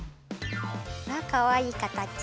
かわいいかたち。